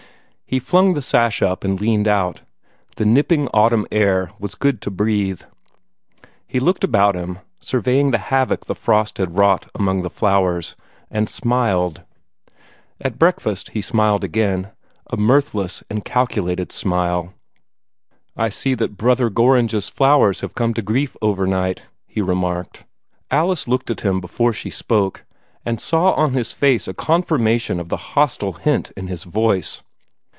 He flung the sash up and leaned out. The nipping autumn air was good to breathe. He looked about him, surveying the havoc the frost had wrought among the flowers, and smiled. At breakfast he smiled again a mirthless and calculated smile. "I see that Brother Gorringe's flowers have come to grief over night," he remarked. Alice looked at him before she spoke, and saw on his face a confirmation of the hostile hint in his voice.